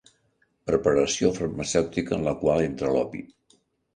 Preparació farmacèutica en la qual entra l'opi.